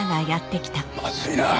まずいな。